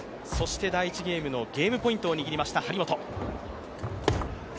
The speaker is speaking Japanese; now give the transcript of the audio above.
そして第１ゲームのゲームポイントを握りました。